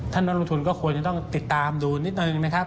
นักลงทุนก็ควรจะต้องติดตามดูนิดนึงนะครับ